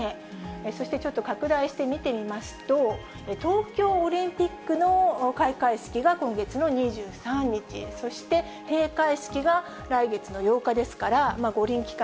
そしてちょっと拡大して見てみますと、東京オリンピックの開会式が今月の２３日、そして閉会式が来月の８日ですから、五輪期間